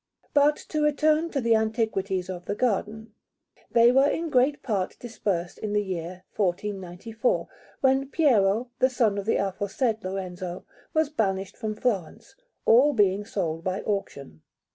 But to return to the antiquities of the garden; they were in great part dispersed in the year 1494, when Piero, the son of the aforesaid Lorenzo, was banished from Florence, all being sold by auction.